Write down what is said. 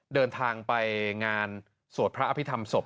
เดินทางไปงานสวดพระอภิษฐรรมศพ